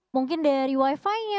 mungkin dari wi fi nya